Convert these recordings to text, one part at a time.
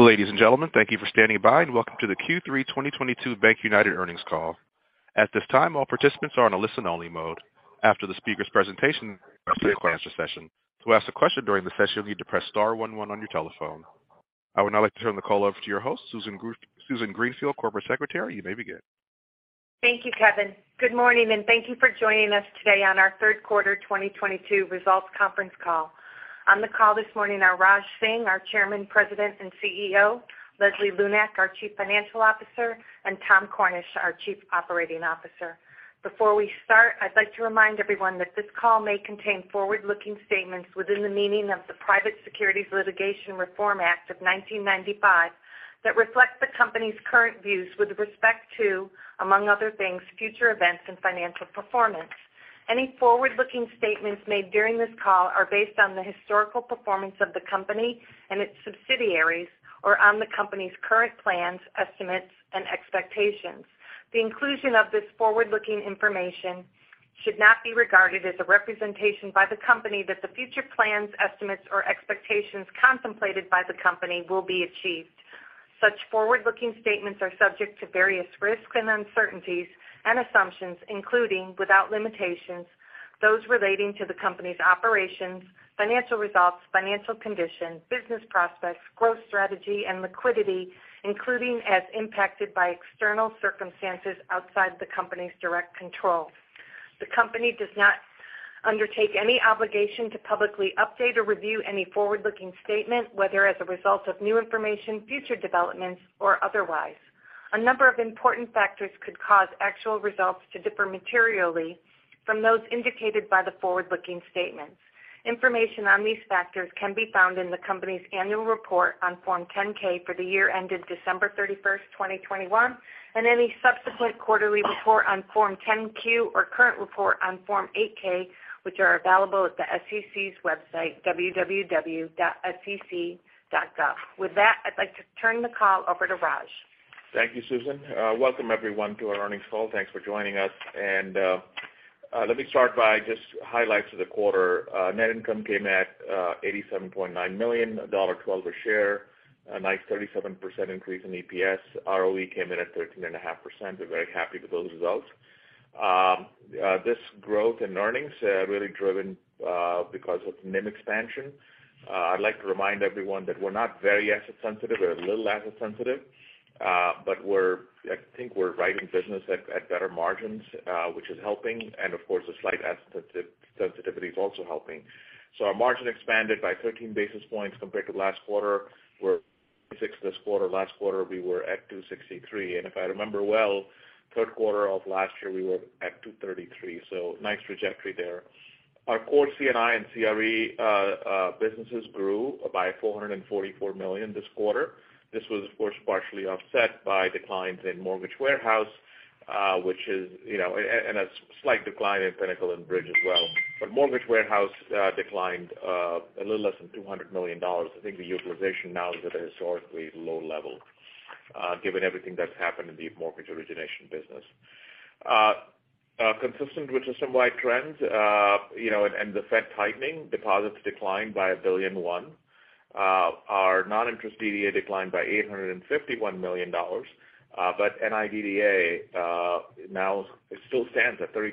Ladies and gentlemen, thank you for standing by, and welcome to the Q3 2022 BankUnited earnings call. At this time, all participants are on a listen only mode. After the speaker's presentation, there will be a Q&A session. To ask a question during the session, you'll need to press star one one on your telephone. I would now like to turn the call over to your host, Susan Greenfield, Corporate Secretary. You may begin. Thank you, Kevin. Good morning, and thank you for joining us today on our Q3 2022 results conference call. On the call this morning are Raj Singh, our Chairman, President, and CEO, Leslie Lunak, our Chief Financial Officer, and Tom Cornish, our Chief Operating Officer. Before we start, I'd like to remind everyone that this call may contain forward-looking statements within the meaning of the Private Securities Litigation Reform Act of 1995 that reflect the company's current views with respect to, among other things, future events and financial performance. Any forward-looking statements made during this call are based on the historical performance of the company and its subsidiaries or on the company's current plans, estimates, and expectations. The inclusion of this forward-looking information should not be regarded as a representation by the company that the future plans, estimates, or expectations contemplated by the company will be achieved. Such forward-looking statements are subject to various risks and uncertainties and assumptions, including without limitations, those relating to the company's operations, financial results, financial condition, business prospects, growth strategy and liquidity, including as impacted by external circumstances outside the company's direct control. The company does not undertake any obligation to publicly update or review any forward-looking statement, whether as a result of new information, future developments or otherwise. A number of important factors could cause actual results to differ materially from those indicated by the forward-looking statements. Information on these factors can be found in the company's annual report on Form 10-K for the year ended December 31, 2021, and any subsequent quarterly report on Form 10-Q or current report on Form 8-K, which are available at the SEC's website, www.sec.gov. With that, I'd like to turn the call over to Raj. Thank you, Susan. Welcome everyone to our earnings call. Thanks for joining us. Let me start by just highlights of the quarter. Net income came at $87.9 million, $1.12 a share, a nice 37% increase in EPS. ROE came in at 13.5%. We're very happy with those results. This growth in earnings really driven because of NIM expansion. I'd like to remind everyone that we're not very asset sensitive. We're a little asset sensitive, but I think we're writing business at better margins, which is helping. Of course, a slight asset sensitivity is also helping. Our margin expanded by 13 basis points compared to last quarter, up six this quarter. Last quarter we were at 263 basis points. If I remember well, Q3 of last year we were at 233 basis points. Nice trajectory there. Our core C&I and CRE businesses grew by $444 million this quarter. This was of course partially offset by declines in mortgage warehouse and a slight decline in Pinnacle and Bridge as well. Mortgage warehouse declined a little less than $200 million. I think the utilization now is at a historically low level given everything that's happened in the mortgage origination business. Consistent with the same trends and the Fed tightening, deposits declined by $1.1 billion. Our non-interest DDA declined by $851 million. NIDDA now still stands at 32%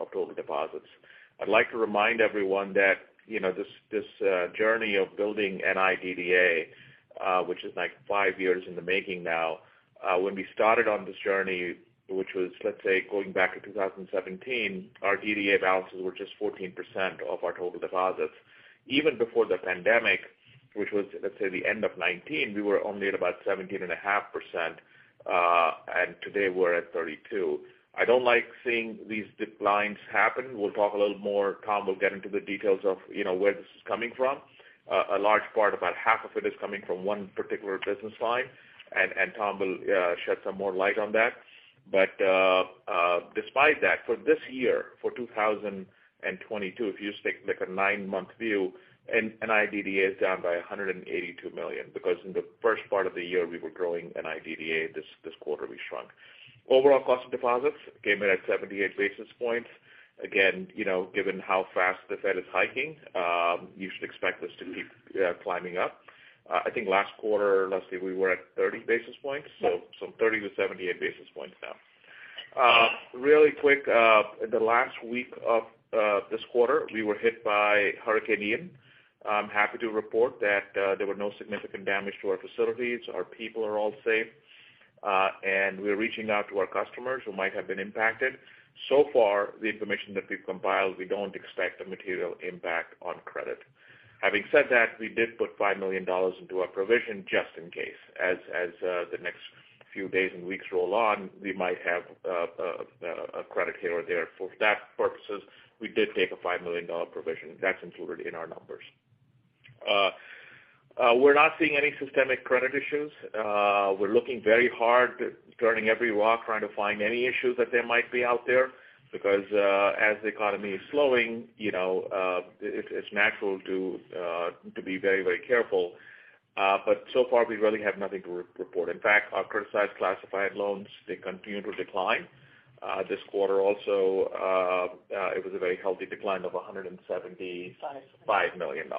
of total deposits. I'd like to remind everyone that, you know, this journey of building NIDDA, which is like five years in the making now. When we started on this journey, which was, let's say, going back to 2017, our DDA balances were just 14% of our total deposits. Even before the pandemic, which was, let's say, the end of 2019, we were only at about 17.5%, and today we're at 32%. I don't like seeing these declines happen. We'll talk a little more. Tom will get into the details of, you know, where this is coming from. A large part about half of it is coming from one particular business line. Tom will shed some more light on that. Despite that, for this year, for 2022, if you take like a nine-month view NIDDA is down by $182 million because in the first part of the year, we were growing NIDDA. This quarter we shrunk. Overall cost of deposits came in at 78 basis points. Again, you know, given how fast the Fed is hiking, you should expect this to keep climbing up. I think last quarter, let's see, we were at 30 basis points, so 30 basis points-78 basis points now. Really quick, the last week of this quarter, we were hit by Hurricane Ian. I'm happy to report that there were no significant damage to our facilities. Our people are all safe, and we're reaching out to our customers who might have been impacted. So far, the information that we've compiled, we don't expect a material impact on credit. Having said that, we did put $5 million into our provision just in case. The next few days and weeks roll on, we might have a credit here or there. For that purposes, we did take a $5 million provision. That's included in our numbers. We're not seeing any systemic credit issues. We're looking very hard, turning every rock, trying to find any issues that there might be out there, because as the economy is slowing, you know, it's natural to be very, very careful. So far we really have nothing to report. In fact, our criticized classified loans, they continue to decline. This quarter also, it was a very healthy decline of $170. Five. $5 million.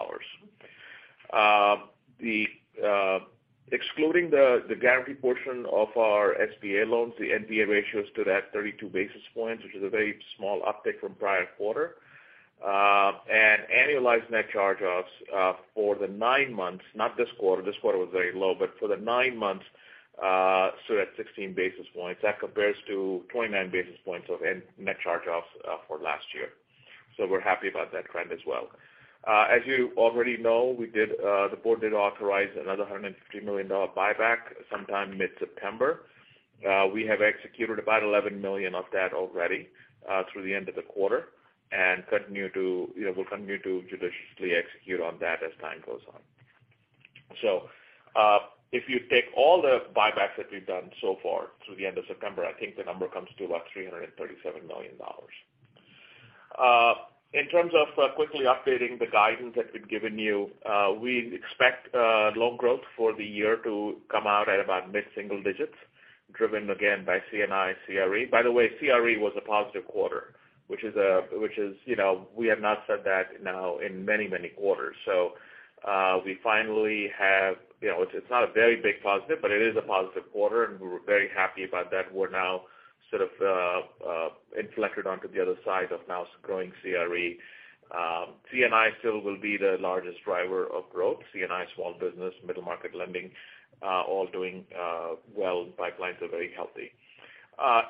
Excluding the guarantee portion of our SBA loans, the NPA ratio stood at 32 basis points, which is a very small uptick from prior quarter. Annualized net charge-offs for the 9 months, not this quarter, this quarter was very low, but for the 9 months stood at 16 basis points. That compares to 29 basis points of net charge-offs for last year. We're happy about that trend as well. As you already know, the board did authorize another $150 million buyback sometime mid-September. We have executed about $11 million of that already through the end of the quarter and continue to, you know, we'll continue to judiciously execute on that as time goes on. If you take all the buybacks that we've done so far through the end of September, I think the number comes to about $337 million. In terms of quickly updating the guidance that we've given you, we expect loan growth for the year to come out at about mid-single digits, driven again by C&I, CRE. By the way, CRE was a positive quarter, which is, you know, we have not said that now in many, many quarters. We finally have, you know, it's not a very big positive, but it is a positive quarter, and we're very happy about that. We're now sort of inflected onto the other side of now growing CRE. C&I still will be the largest driver of growth. C&I small business, middle market lending, all doing well. Pipelines are very healthy.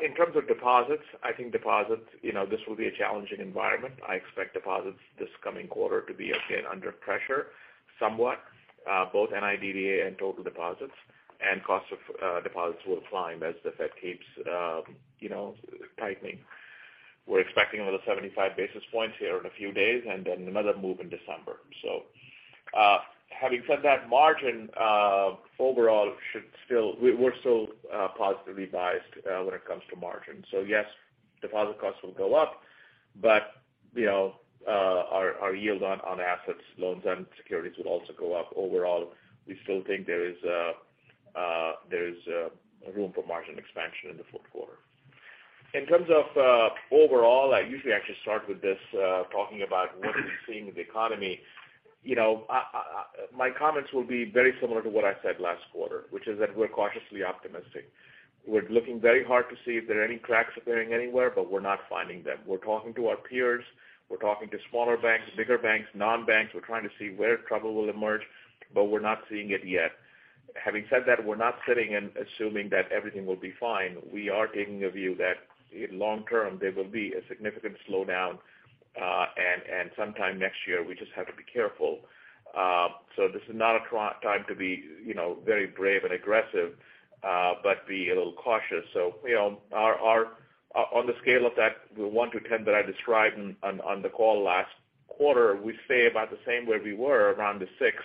In terms of deposits, I think deposits, you know, this will be a challenging environment. I expect deposits this coming quarter to be again under pressure somewhat, both NIDDA and total deposits and cost of deposits will climb as the Fed keeps, you know, tightening. We're expecting another 75 basis points here in a few days and then another move in December. Having said that, margin overall should still. We're still positively biased when it comes to margin. Yes, deposit costs will go up, but, you know, our yield on assets, loans and securities will also go up. Overall, we still think there's room for margin expansion in the Q4. In terms of overall, I usually actually start with this, talking about what are we seeing in the economy. You know, my comments will be very similar to what I said last quarter, which is that we're cautiously optimistic. We're looking very hard to see if there are any cracks appearing anywhere, but we're not finding them. We're talking to our peers. We're talking to smaller banks, bigger banks, non-banks. We're trying to see where trouble will emerge, but we're not seeing it yet. Having said that, we're not sitting and assuming that everything will be fine. We are taking a view that long term there will be a significant slowdown, and sometime next year, we just have to be careful. This is not a time to be, you know, very brave and aggressive, but be a little cautious. You know, on the scale of that one-10 that I described on the call last quarter, we stay about the same way we were around the six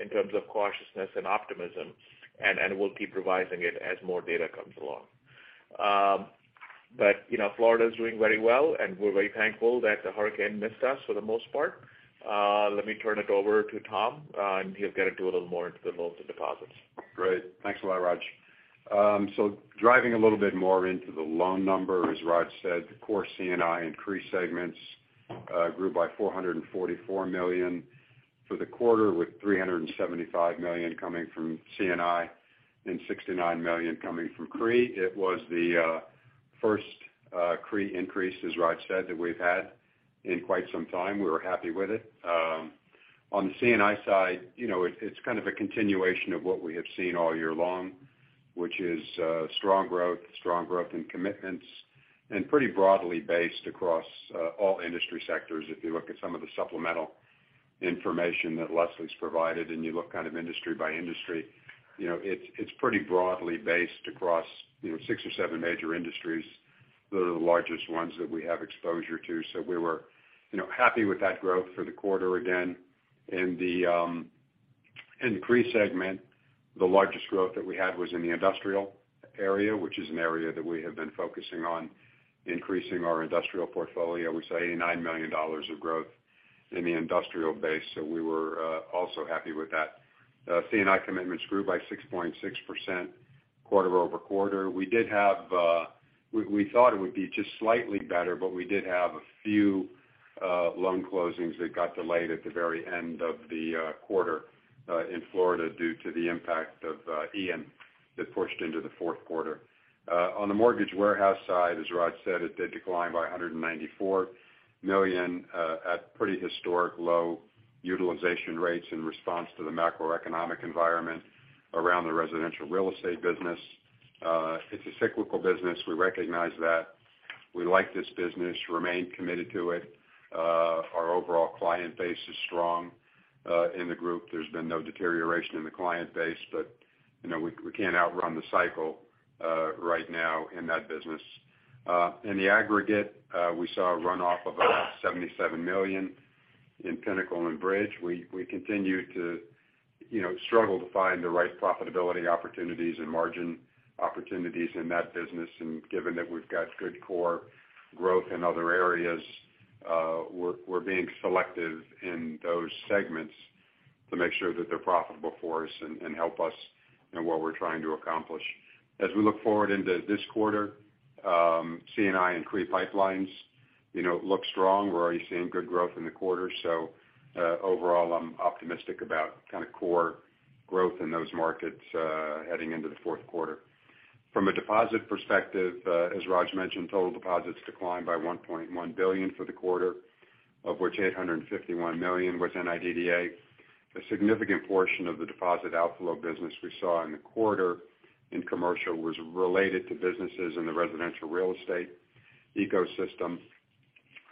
in terms of cautiousness and optimism, and we'll keep revising it as more data comes along. You know, Florida is doing very well, and we're very thankful that the hurricane missed us for the most part. Let me turn it over to Tom, and he'll get into a little more into the loans and deposits. Great. Thanks a lot, Raj. Driving a little bit more into the loan number, as Raj said, the core C&I and CRE segments grew by $444 million for the quarter, with $375 million coming from C&I and $69 million coming from CRE. It was the first CRE increase, as Raj said, that we've had in quite some time. We were happy with it. On the C&I side, you know, it's kind of a continuation of what we have seen all year long, which is strong growth in commitments, and pretty broadly based across all industry sectors if you look at some of the supplemental information that Leslie's provided, and you look kind of industry by industry. You know, it's pretty broadly based across, you know, six or seven major industries that are the largest ones that we have exposure to. We were, you know, happy with that growth for the quarter again. In the CRE segment, the largest growth that we had was in the industrial area, which is an area that we have been focusing on increasing our industrial portfolio. We saw $89 million of growth in the industrial base, so we were also happy with that. C&I commitments grew by 6.6% quarter-over-quarter. We thought it would be just slightly better, but we did have a few loan closings that got delayed at the very end of the quarter in Florida due to the impact of Hurricane Ian that pushed into the Q4. On the mortgage warehouse side, as Raj said, it did decline by $194 million at pretty historic low utilization rates in response to the macroeconomic environment around the residential real estate business. It's a cyclical business. We recognize that. We like this business, remain committed to it. Our overall client base is strong in the group. There's been no deterioration in the client base, but, you know, we can't outrun the cycle right now in that business. In the aggregate, we saw a runoff of about $77 million in Pinnacle and Bridge. We continue to, you know, struggle to find the right profitability opportunities and margin opportunities in that business. Given that we've got good core growth in other areas, we're being selective in those segments to make sure that they're profitable for us and help us in what we're trying to accomplish. As we look forward into this quarter, C&I and CRE pipelines. You know, it looks strong. We're already seeing good growth in the quarter. Overall, I'm optimistic about kind of core growth in those markets, heading into the Q4. From a deposit perspective, as Raj mentioned, total deposits declined by $1.1 billion for the quarter, of which $851 million was NIDDA. A significant portion of the deposit outflow business we saw in the quarter in commercial was related to businesses in the residential real estate ecosystem.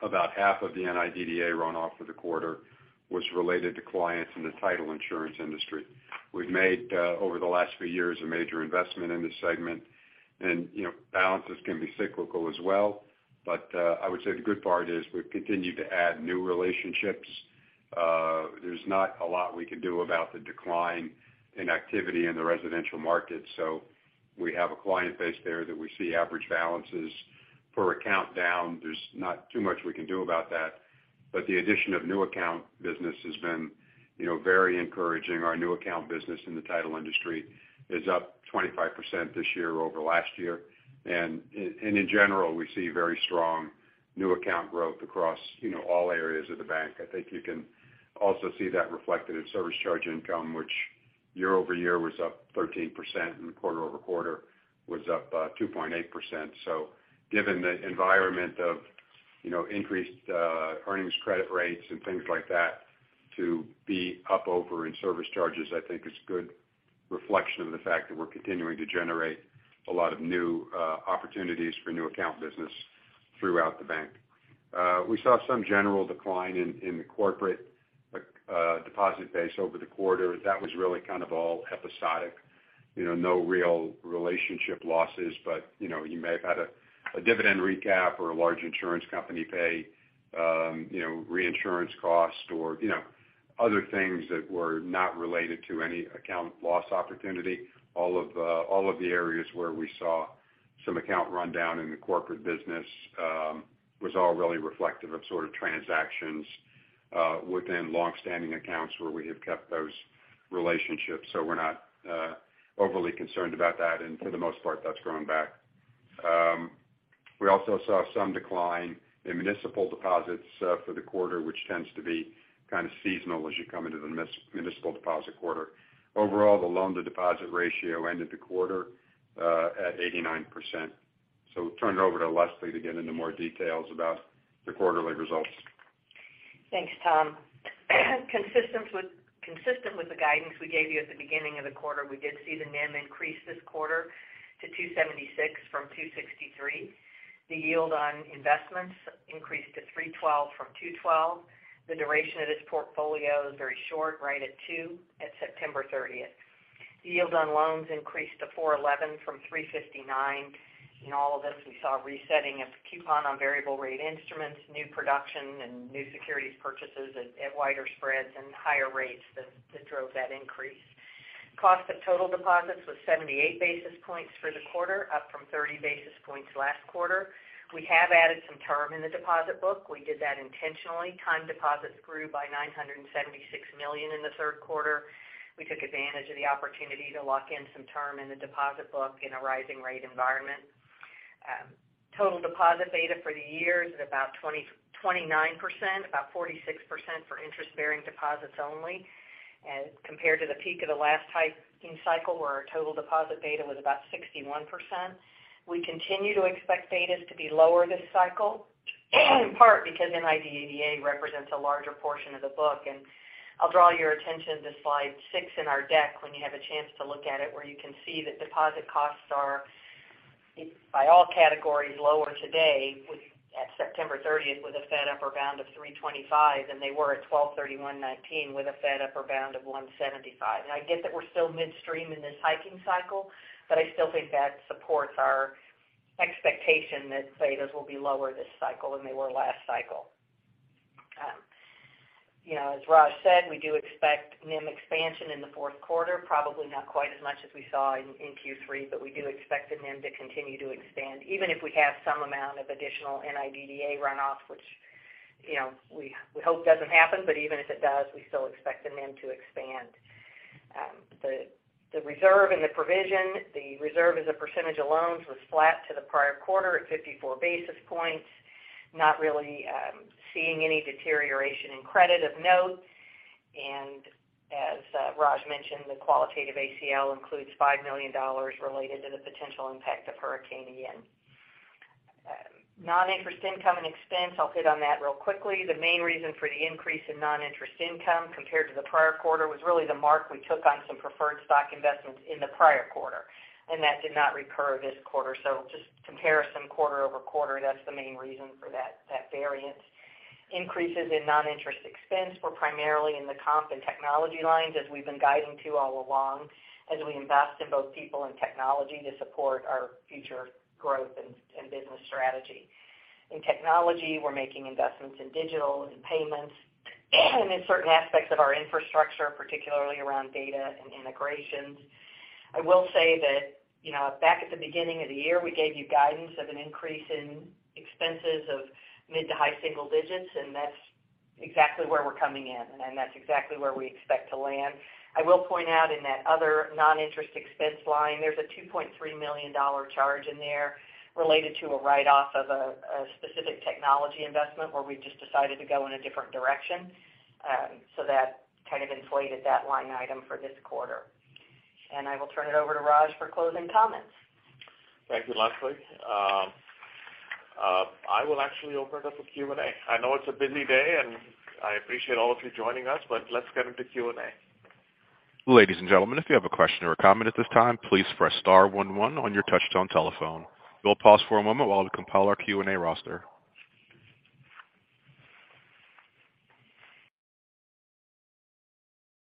About half of the NIDDA runoff for the quarter was related to clients in the title insurance industry. We've made over the last few years a major investment in this segment and, you know, balances can be cyclical as well. I would say the good part is we've continued to add new relationships. There's not a lot we can do about the decline in activity in the residential market. We have a client base there that we see average balances per account down. There's not too much we can do about that. The addition of new account business has been, you know, very encouraging. Our new account business in the title industry is up 25% this year over last year. In general, we see very strong new account growth across, you know, all areas of the bank. I think you can also see that reflected in service charge income, which year-over-year was up 13% and quarter-over-quarter was up 2.8%. Given the environment of, you know, increased earnings credit rates and things like that to be up over in service charges, I think is good reflection of the fact that we're continuing to generate a lot of new opportunities for new account business throughout the bank. We saw some general decline in the corporate deposit base over the quarter. That was really kind of all episodic. You know, no real relationship losses, but you know, you may have had a dividend recap or a large insurance company pay reinsurance cost or other things that were not related to any account loss opportunity. All of the areas where we saw some account rundown in the corporate business was all really reflective of sort of transactions within longstanding accounts where we have kept those relationships. We're not overly concerned about that. For the most part, that's grown back. We also saw some decline in municipal deposits for the quarter, which tends to be kind of seasonal as you come into the this municipal deposit quarter. Overall, the loan to deposit ratio ended the quarter at 89%. Turn it over to Leslie to get into more details about the quarterly results. Thanks, Tom. Consistent with the guidance we gave you at the beginning of the quarter, we did see the NIM increase this quarter to 2.76% from 2.63%. The yield on investments increased to 3.12% from 2.12%. The duration of this portfolio is very short, right at 2% at September 30. Yield on loans increased to 4.11% from 3.59%. In all of this, we saw resetting of coupon on variable rate instruments, new production and new securities purchases at wider spreads and higher rates that drove that increase. Cost of total deposits was 78 basis points for the quarter, up from 30 basis points last quarter. We have added some term in the deposit book. We did that intentionally. Time deposits grew by $976 million in the Q3. We took advantage of the opportunity to lock in some term in the deposit book in a rising rate environment. Total deposit beta for the year is about 29%, about 46% for interest-bearing deposits only, as compared to the peak of the last hiking cycle, where our total deposit beta was about 61%. We continue to expect betas to be lower this cycle, in part because NIDDA represents a larger portion of the book. I'll draw your attention to slide six in our deck when you have a chance to look at it, where you can see that deposit costs are by all categories lower today at September 30, with a Fed upper bound of 3.25% than they were at 12 December 2019 with a Fed upper bound of 1.75%. I get that we're still midstream in this hiking cycle, but I still think that supports our expectation that betas will be lower this cycle than they were last cycle. You know, as Raj said, we do expect NIM expansion in the Q4, probably not quite as much as we saw in Q3, but we do expect the NIM to continue to expand even if we have some amount of additional NIDDA runoff, which we hope doesn't happen. Even if it does, we still expect the NIM to expand. The reserve and the provision. The reserve as a percentage of loans was flat to the prior quarter at 54 basis points. Not really seeing any deterioration in credit of note. As Raj mentioned, the qualitative ACL includes $5 million related to the potential impact of Hurricane Ian. Non-interest income and expense. I'll hit on that really quickly. The main reason for the increase in non-interest income compared to the prior quarter was really the mark we took on some preferred stock investments in the prior quarter, and that did not recur this quarter. Just comparison quarter-over-quarter, that's the main reason for that variance. Increases in non-interest expense were primarily in the comp and technology lines, as we've been guiding to all along as we invest in both people and technology to support our future growth and business strategy. In technology, we're making investments in digital and payments and in certain aspects of our infrastructure, particularly around data and integrations. I will say that, you know, back at the beginning of the year, we gave you guidance of an increase in expenses of mid- to high-single digits%, and that's exactly where we're coming in, and that's exactly where we expect to land. I will point out in that other non-interest expense line, there's a $2.3 million charge in there related to a write off of a specific technology investment where we've just decided to go in a different direction. So that kind of inflated that line item for this quarter. I will turn it over to Raj for closing comments. Thank you, Leslie. I will actually open it up for Q&A. I know it's a busy day, and I appreciate all of you joining us, but let's get into Q&A. Ladies and gentlemen, if you have a question or a comment at this time, please press star one one on your touchtone telephone. We'll pause for a moment while we compile our Q&A roster.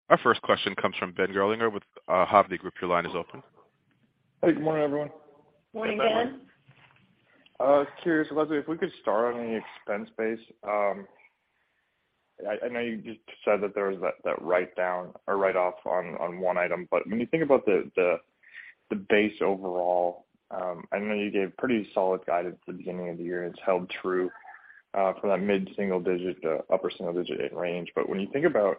Our first question comes from Ben Gerlinger with Hovde Group. Your line is open. Hey, good morning, everyone. Morning, Ben. Curious, Leslie, if we could start on the expense base. I know you just said that there was that write down or write off on one item. When you think about the base overall, I know you gave pretty solid guidance at the beginning of the year, and it's held true for that mid-single digit to upper single digit range. When you think about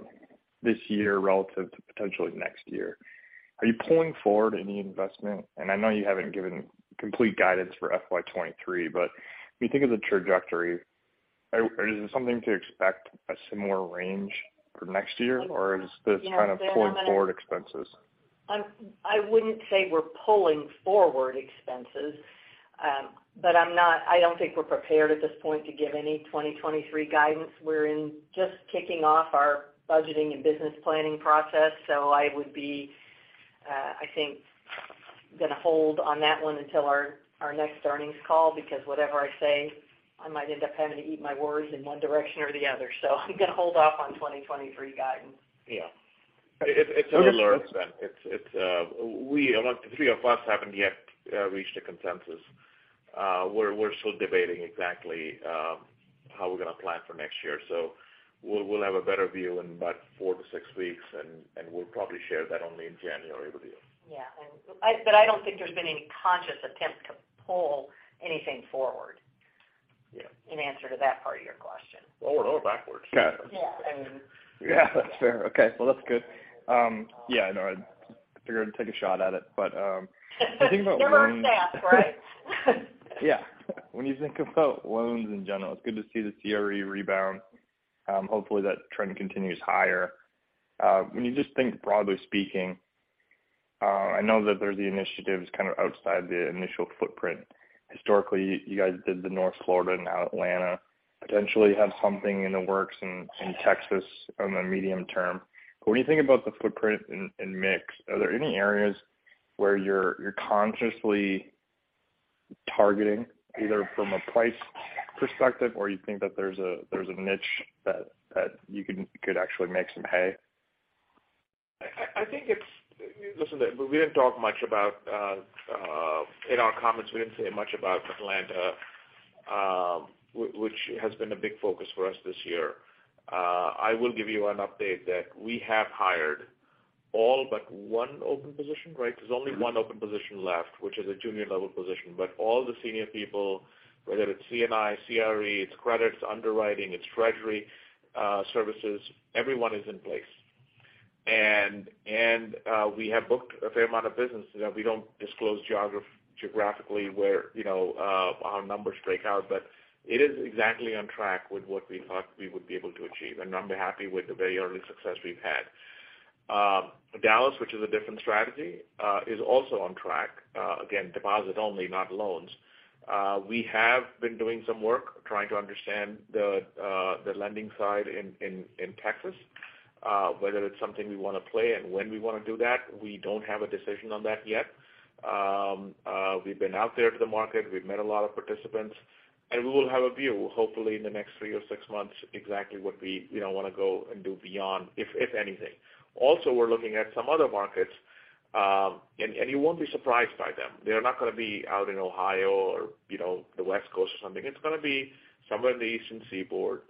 this year relative to potentially next year, are you pulling forward any investment? I know you haven't given complete guidance for FY 2023, but when you think of the trajectory, is it something to expect a similar range for next year, or is this kind of pulling forward expenses? I wouldn't say we're pulling forward expenses. I don't think we're prepared at this point to give any 2023 guidance. We're just kicking off our budgeting and business planning process. I think I'm gonna hold on that one until our next earnings call because whatever I say, I might end up having to eat my words in one direction or the other. I'm gonna hold off on 2023 guidance. Yeah. It's early yet, Ben. The three of us haven't yet reached a consensus. We're still debating exactly how we're gonna plan for next year. We'll have a better view in about four-six weeks, and we'll probably share that only in January with you. I don't think there's been any conscious attempt to pull anything forward. Yeah. In answer to that part of your question. Forward or backwards. Yeah. I mean. Yeah, that's fair. Okay. Well, that's good. Yeah, no, I figured I'd take a shot at it, but. You're our SAS, right? Yeah. When you think about loans in general, it's good to see the CRE rebound. Hopefully, that trend continues higher. When you just think broadly speaking, I know that there's the initiatives kind of outside the initial footprint. Historically, you guys did the North Florida, now Atlanta, potentially have something in the works in Texas on the medium term. When you think about the footprint and mix, are there any areas where you're consciously targeting either from a price perspective or you think that there's a niche that you can actually make some hay? I think, listen, we didn't talk much about in our comments, we didn't say much about Atlanta, which has been a big focus for us this year. I will give you an update that we have hired all but one open position, right? There's only one open position left, which is a junior level position. All the senior people, whether it's C&I, CRE, it's credits, underwriting, it's treasury services, everyone is in place. We have booked a fair amount of business. You know, we don't disclose geographically where, you know, our numbers break out. It is exactly on track with what we thought we would be able to achieve. I'm happy with the very early success we've had. Dallas, which is a different strategy, is also on track. Again, deposit only, not loans. We have been doing some work trying to understand the lending side in Texas. Whether it's something we wanna play and when we wanna do that, we don't have a decision on that yet. We've been out there to the market. We've met a lot of participants, and we will have a view, hopefully in the next three or six months, exactly what we you know wanna go and do beyond if anything. Also, we're looking at some other markets, and you won't be surprised by them. They're not gonna be out in Ohio or you know the West Coast or something. It's gonna be somewhere in the Eastern Seaboard,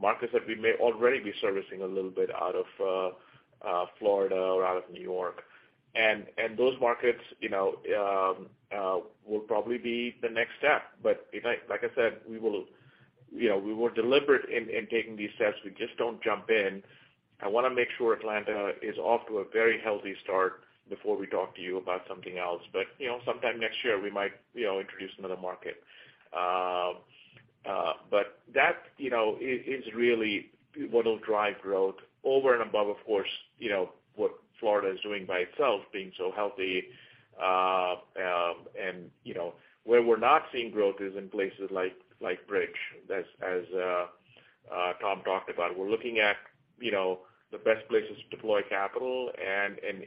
markets that we may already be servicing a little bit out of Florida or out of New York. Those markets, you know, will probably be the next step. Like I said, we were deliberate in taking these steps. We just don't jump in. I wanna make sure Atlanta is off to a very healthy start before we talk to you about something else. You know, sometime next year we might, you know, introduce another market. That, you know, is really what will drive growth over and above, of course, you know, what Florida is doing by itself being so healthy. You know, where we're not seeing growth is in places like Bridge, as Tom talked about. We're looking at, you know, the best places to deploy capital.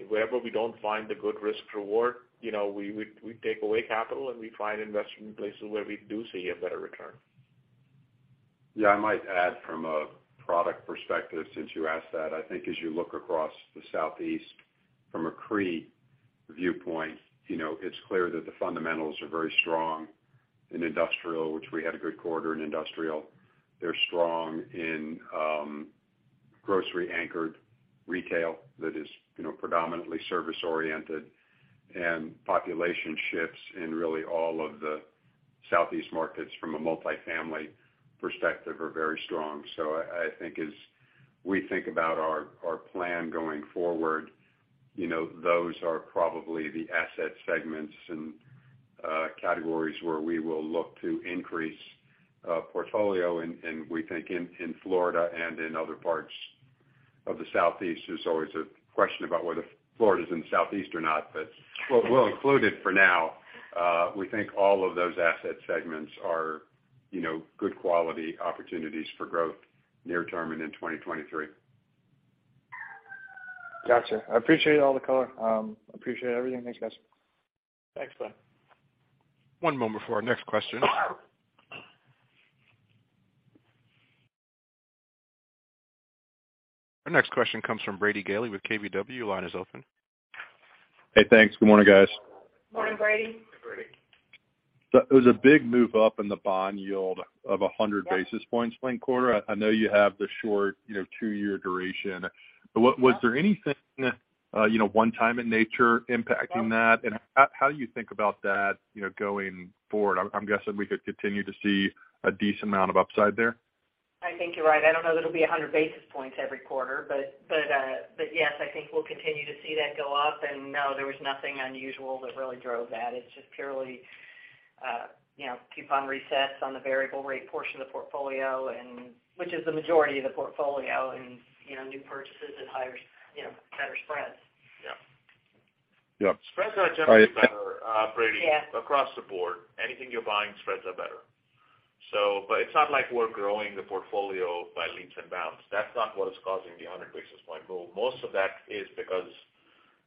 Wherever we don't find the good risk reward, you know, we take away capital and we find investment in places where we do see a better return. Yeah. I might add from a product perspective since you asked that. I think as you look across the Southeast from a CRE viewpoint, you know, it's clear that the fundamentals are very strong in industrial, which we had a good quarter in industrial. They're strong in. Grocery-anchored retail that is, you know, predominantly service-oriented and population shifts in really all of the Southeast markets from a multifamily perspective are very strong. I think as we think about our plan going forward, you know, those are probably the asset segments and categories where we will look to increase portfolio and we think in Florida and in other parts of the Southeast. There's always a question about whether Florida's in the Southeast or not, but we'll include it for now. We think all of those asset segments are, you know, good quality opportunities for growth near term and in 2023. Gotcha. I appreciate all the color. Appreciate everything. Thanks, guys. Thanks, Ben. One moment for our next question. Our next question comes from Brady Gailey with KBW. Your line is open. Hey, thanks. Good morning, guys. Morning, Brady. Hey, Brady. It was a big move up in the bond yield of 100 basis points last quarter. I know you have the short, you know, two year duration. But was there anything, you know, one-time in nature impacting that? And how do you think about that, you know, going forward? I'm guessing we could continue to see a decent amount of upside there. I think you're right. I don't know that it'll be 100 basis points every quarter. Yes, I think we'll continue to see that go up. No, there was nothing unusual that really drove that. It's just purely, you know, coupon resets on the variable rate portion of the portfolio and which is the majority of the portfolio and, you know, new purchases at higher, you know, better spreads. Yeah. Spreads are generally better, Brady- Yeah Across the board. Anything you're buying, spreads are better. It's not like we're growing the portfolio by leaps and bounds. That's not what is causing the 100 basis point move. Most of that is because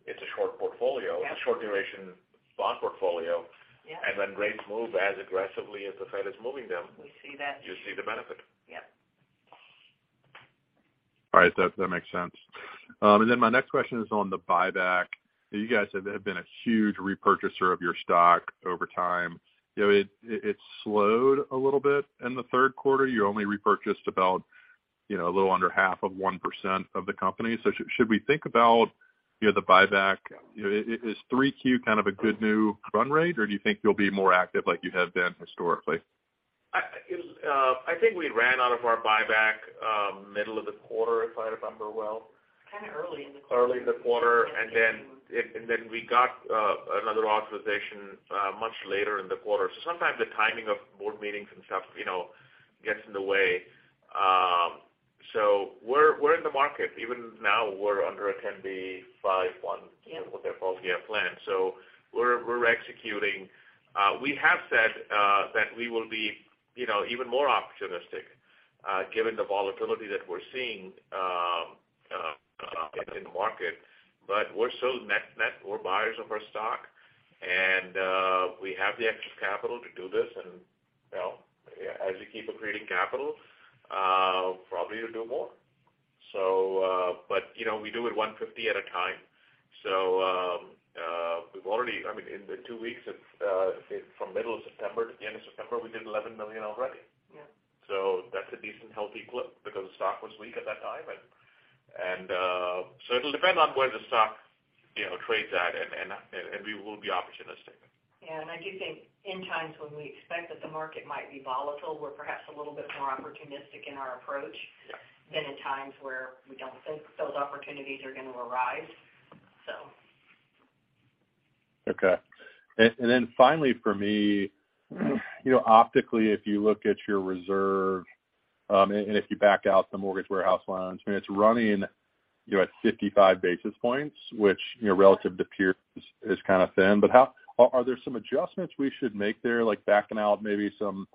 it's a short portfolio. Yeah. A short-duration bond portfolio. Yeah. When rates move as aggressively as the Fed is moving them. We see that. You see the benefit. Yeah. All right. That makes sense. My next question is on the buyback. You guys have been a huge repurchaser of your stock over time. You know, it slowed a little bit in the Q3. You only repurchased about, you know, a little under half of 1% of the company. Should we think about, you know, the buyback, you know, is 3Q kind of a good new run rate, or do you think you'll be more active like you have been historically? I think we ran out of our buyback middle of the quarter, if I remember well. Kinda early in the quarter. Early in the quarter. We got another authorization much later in the quarter. Sometimes the timing of board meetings and stuff, you know, gets in the way. We're in the market. Even now, we're under a [10b5-1-] Yeah What they call their plan. We're executing. We have said that we will be, you know, even more opportunistic, given the volatility that we're seeing in the market. But net, we're buyers of our stock. We have the extra capital to do this. You know, as you keep accreting capital, probably you'll do more. You know, we do it 150 at a time. We've already. I mean, in the two weeks from the middle of September to the end of September, we did $11 million already. Yeah. That's a decent, healthy clip because the stock was weak at that time. It'll depend on where the stock, you know, trades at. We will be opportunistic. Yeah. I do think in times when we expect that the market might be volatile, we're perhaps a little bit more opportunistic in our approach than in times where we don't think those opportunities are gonna arise, so. Okay. Then finally for me, you know, optically, if you look at your reserve, and if you back out the mortgage warehouse lines, I mean, it's running, you know, at 55 basis points, which, you know, relative to peers is kind of thin. Are there some adjustments we should make there, like backing out maybe some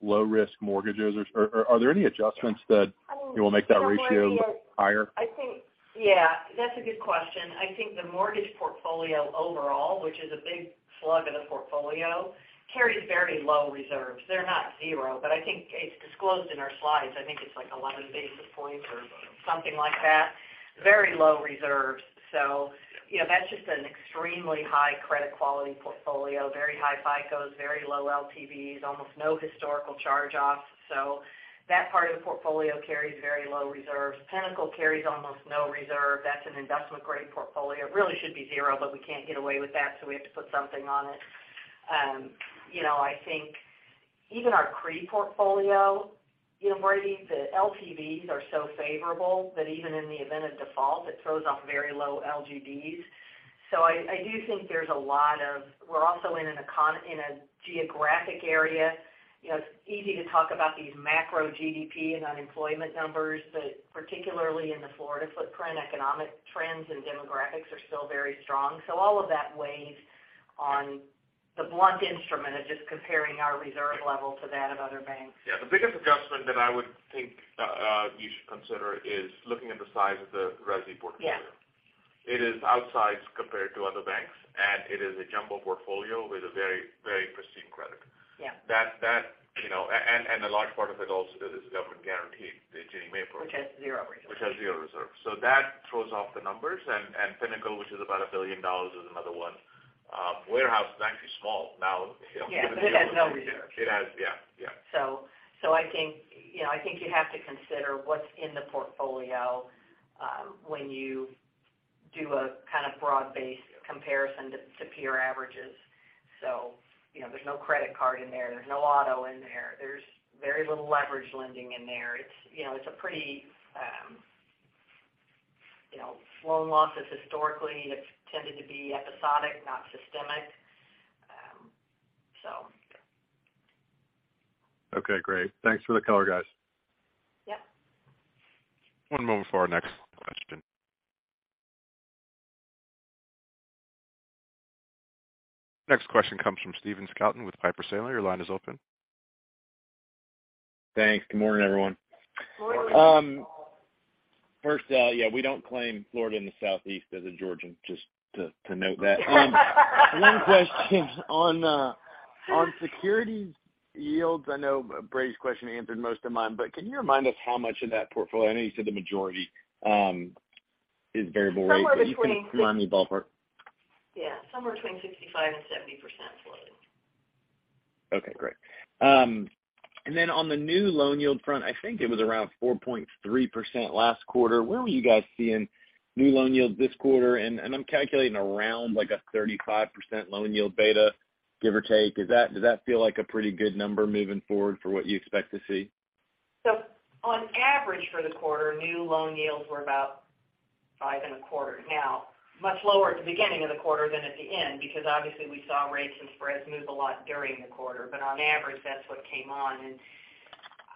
low-risk mortgages? Or are there any adjustments that I mean. Will make that ratio higher? I think. Yeah. That's a good question. I think the mortgage portfolio overall, which is a big slug of the portfolio, carries very low reserves. They're not zero, but I think it's disclosed in our slides. I think it's like 11 basis points or something like that. Very low reserves. You know, that's just an extremely high credit quality portfolio, very high FICOs, very low LTVs, almost no historical charge-offs. That part of the portfolio carries very low reserves. Pinnacle carries almost no reserve. That's an investment-grade portfolio. Really should be zero, but we can't get away with that, so we have to put something on it. You know, I think even our CRE portfolio, you know, Brady, the LTVs are so favorable that even in the event of default, it throws off very low LGDs. I do think we're also in a geographic area. You know, it's easy to talk about these macro GDP and unemployment numbers, but particularly in the Florida footprint, economic trends and demographics are still very strong. All of that weighs on the blunt instrument of just comparing our reserve level to that of other banks. Yeah. The biggest adjustment that I would think you should consider is looking at the size of the resi portfolio. Yeah. It is outsized compared to other banks, and it is a jumbo portfolio with a very, very pristine credit. Yeah. That, you know, a large part of it also is government guaranteed, the Ginnie Mae program. Which has zero reserves. Which has zero reserves. That throws off the numbers. Pinnacle, which is about $1 billion, is another one. Warehouse is actually small now. Yeah, it has no risk. It has, yeah. Yeah. I think you have to consider what's in the portfolio when you do a kind of broad-based comparison to peer averages. You know, there's no credit card in there's no auto in there. There's very little leverage lending in there. Loan losses historically, it's tended to be episodic, not systemic. Okay, great. Thanks for the color, guys. Yep. One moment for our next question. Next question comes from Stephen Scouten with Piper Sandler. Your line is open. Thanks. Good morning, everyone. Good morning. First, yeah, we don't claim Florida in the southeast as a Georgian, just to note that. One question on securities yields. I know Brady's question answered most of mine, but can you remind us how much of that portfolio, I know you said the majority, is variable rate. Somewhere between Can you remind me ballpark? Yeah, somewhere between 65% and 70% floating. Okay, great. On the new loan yield front, I think it was around 4.3% last quarter. Where were you guys seeing new loan yields this quarter? I'm calculating around like a 35% loan yield beta, give or take. Does that feel like a pretty good number moving forward for what you expect to see? On average for the quarter, new loan yields were about 5.25%. Now, much lower at the beginning of the quarter than at the end because obviously we saw rates and spreads move a lot during the quarter. On average, that's what came on.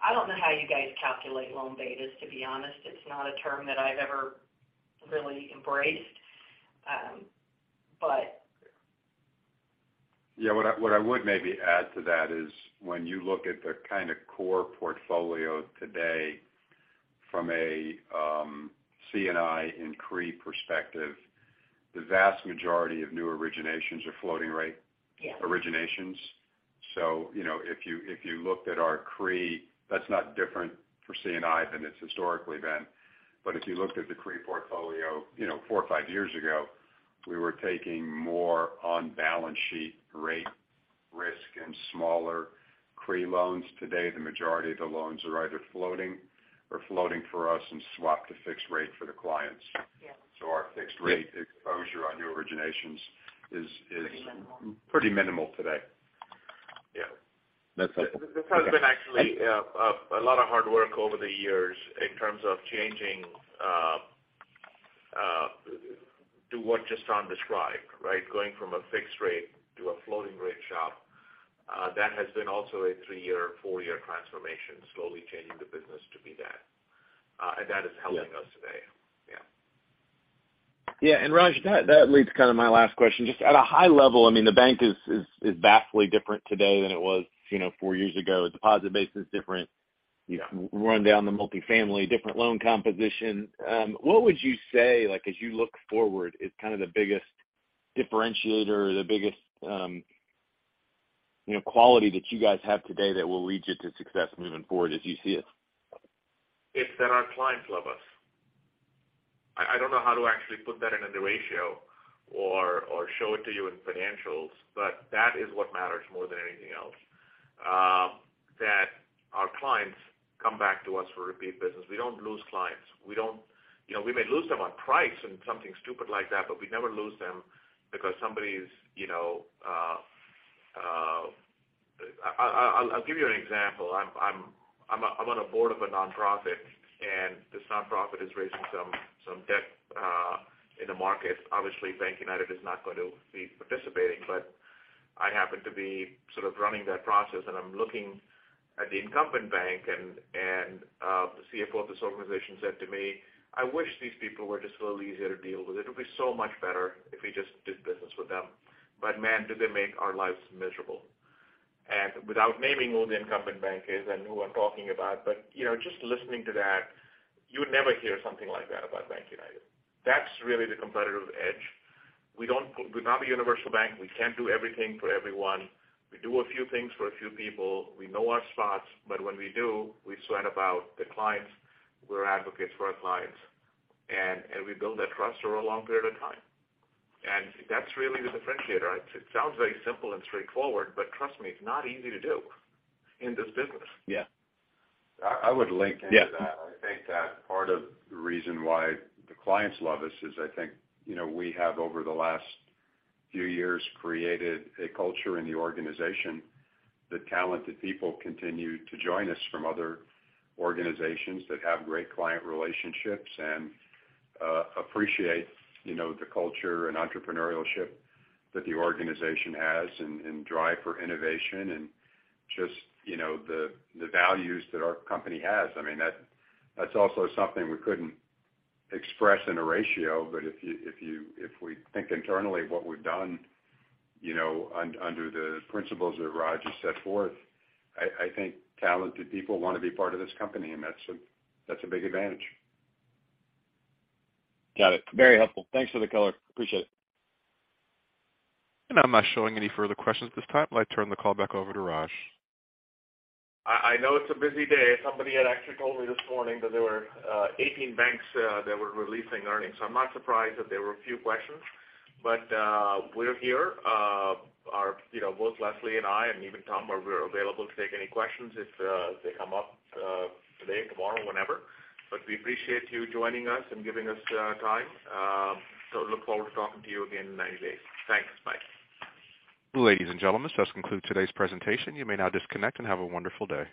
I don't know how you guys calculate loan betas, to be honest. Yeah. What I would maybe add to that is when you look at the kind of core portfolio today from a C&I and CRE perspective, the vast majority of new originations are floating rate. Yeah Originations. You know, if you looked at our CRE, that's not different for C&I than it's historically been. But if you looked at the CRE portfolio, you know, four or five years ago, we were taking more on balance sheet rate risk and smaller CRE loans. Today, the majority of the loans are either floating or floating for us and swap to fixed rate for the clients. Yeah. Our fixed rate exposure on new originations is. Pretty minimal. Pretty minimal today. Yeah. This has been actually a lot of hard work over the years in terms of changing to what just John described, right? Going from a fixed rate to a floating rate shop. That has been also a three year, four year transformation, slowly changing the business to be that. That is helping us today. Yeah. Yeah. Raj, that leads to kind of my last question. Just at a high level, I mean, the bank is vastly different today than it was, you know, four years ago. Deposit base is different. Yeah. You've run down the multifamily, different loan composition. What would you say, like, as you look forward, is kind of the biggest differentiator or the biggest, you know, quality that you guys have today that will lead you to success moving forward as you see it? It's that our clients love us. I don't know how to actually put that in a ratio or show it to you in financials, but that is what matters more than anything else. That our clients come back to us for repeat business. We don't lose clients. You know, we may lose them on price and something stupid like that, but we never lose them because somebody's, you know. I'll give you an example. I'm on a board of a nonprofit, and this nonprofit is raising some debt in the market. Obviously, BankUnited is not going to be participating, but I happen to be sort of running that process and I'm looking at the incumbent bank and the CFO of this organization said to me, "I wish these people were just a little easier to deal with. It'll be so much better if we just did business with them. But man, do they make our lives miserable." Without naming who the incumbent bank is and who I'm talking about, but you know, just listening to that, you would never hear something like that about BankUnited. That's really the competitive edge. We're not a universal bank. We can't do everything for everyone. We do a few things for a few people. We know our spots, but when we do, we sweat about the clients. We're advocates for our clients. We build that trust over a long period of time. That's really the differentiator. It sounds very simple and straightforward, but trust me, it's not easy to do in this business. Yeah. I would link into that. Yeah. I think that part of the reason why the clients love us is I think, you know, we have over the last few years created a culture in the organization that talented people continue to join us from other organizations that have great client relationships and appreciate, you know, the culture and entrepreneurship that the organization has and drive for innovation and just, you know, the values that our company has. I mean, that's also something we couldn't express in a ratio. If we think internally what we've done, you know, under the principles that Raj has set forth, I think talented people wanna be part of this company, and that's a big advantage. Got it. Very helpful. Thanks for the color. Appreciate it. I'm not showing any further questions at this time. I'll turn the call back over to Raj. I know it's a busy day. Somebody had actually told me this morning that there were 18 banks that were releasing earnings. I'm not surprised that there were a few questions. We're here. You know, both Leslie and I, and even Tom are available to take any questions if they come up today, tomorrow, whenever. We appreciate you joining us and giving us time. Look forward to talking to you again in 90 days. Thanks. Bye. Ladies and gentlemen, this does conclude today's presentation. You may now disconnect and have a wonderful day.